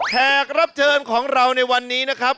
แขกรับเชิญของเราในวันนี้นะครับ